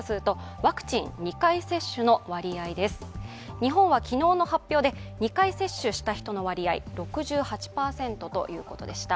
日本は昨日の発表で２回接種した人の割合６８％ということでした。